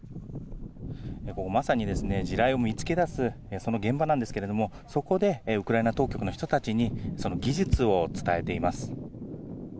まさに地雷を見つけ出すその現場なんですがそこでウクライナ当局の人たちにその技術を伝えています。